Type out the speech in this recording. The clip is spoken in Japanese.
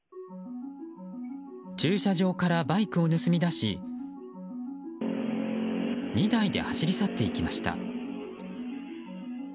駐車場からバイクを盗み出し２台で走り去っていきました。